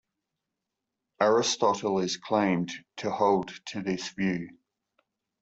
Aristotle is claimed to hold to this view.